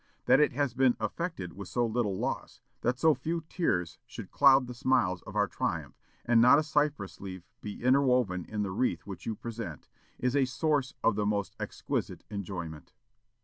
That it has been effected with so little loss that so few tears should cloud the smiles of our triumph, and not a cypress leaf be interwoven in the wreath which you present, is a source of the most exquisite enjoyment."